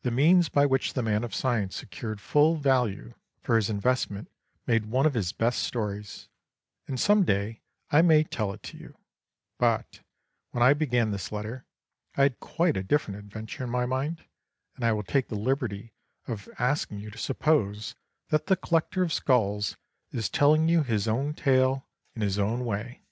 The means by which the man of science secured full value for his investment made one of his best stories; and some day I may tell it to you, but, when I began this letter, I had quite a different adventure in my mind, and I will take the liberty of asking you to suppose that the collector of skulls is telling you his own tale in his own way.